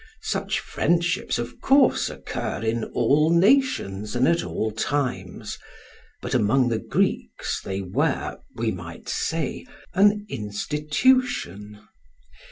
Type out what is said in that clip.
Such friendships, of course, occur in all nations and at all times, but among the Greeks they were, we might say, an institution.